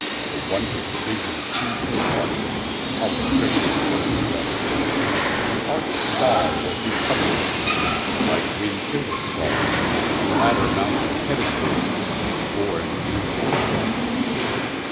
A wondrous vision soothed his heartHow strangely was he blessed! The arched sky was his coverlet, The night wind cradle song;A ladder mounted heavenwardWhich bore an angel throng.